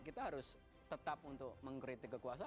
kita harus tetap untuk mengkritik kekuasaan